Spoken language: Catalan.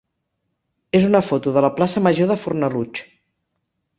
és una foto de la plaça major de Fornalutx.